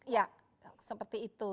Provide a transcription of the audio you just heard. ya seperti itu